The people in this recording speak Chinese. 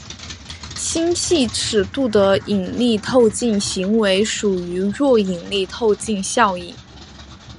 星系尺度的引力透镜行为属于弱引力透镜效应。